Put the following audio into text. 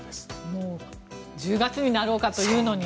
もう１０月になろうかというのに。